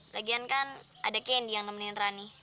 lagian kan ada kane yang nemenin rani